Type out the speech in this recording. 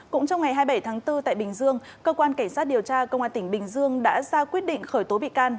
cũng trong ngày hai mươi bảy tháng bốn tại bình dương cơ quan cảnh sát điều tra công an tỉnh bình dương đã ra quyết định khởi tố bị can